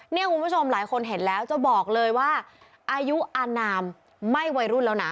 คุณผู้ชมหลายคนเห็นแล้วจะบอกเลยว่าอายุอนามไม่วัยรุ่นแล้วนะ